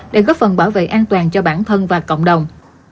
để góp phần bảo vệ an toàn cho bản thân và cộng đồng